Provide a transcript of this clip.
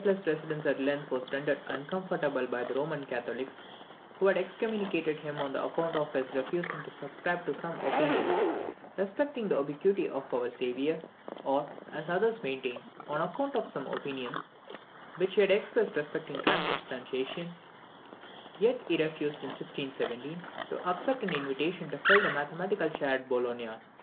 Although Kepler's residence at Linz was rendered uncomfortable by the Roman Catholics, who had excommunicated him on account of his refusing to subscribe to some opinions respecting the ubiquity of our Saviour, or, as others maintain, on account of some opinions which he had expressed respecting transubstantiation, yet he refused, in 1617, to accept of an invitation to fill the mathematical chair at Bologna.